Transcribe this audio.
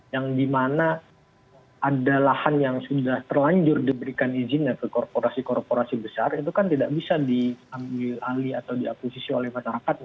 yang dimana ada lahan yang sudah terlanjur diberikan izinnya ke korporasi korporasi besar itu kan tidak bisa diambil alih atau diakuisisi oleh masyarakat